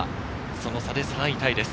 その差で３位タイです。